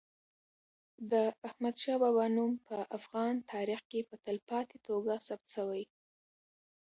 د احمد شاه بابا نوم په افغان تاریخ کي په تلپاتې توګه ثبت سوی.